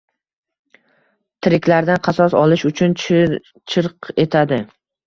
Tiriklardan qasos olish uchun... chirq-chirq etadi.